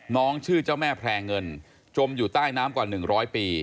น้องชื่อเจ้าแม่แพร่เงินจมอยู่ใต้น้ำกว่าหนึ่งร้อยปี